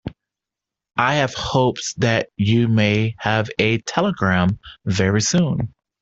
I have hopes that you may have a telegram very soon.